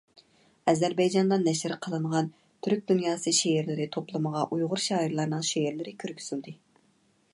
ئەزەربەيجاندا نەشر قىلىنغان «تۈرك دۇنياسى شېئىرلىرى توپلىمى»غا ئۇيغۇر شائىرلارنىڭ شېئىرلىرى كىرگۈزۈلدى.